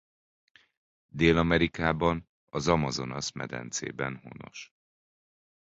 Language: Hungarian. Dél-Amerikában az Amazonas medencében honos.